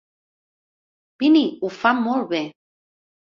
Vinnie ho fa molt bé!